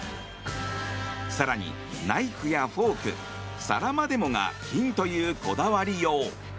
更にナイフやフォーク皿までもが金という、こだわりよう。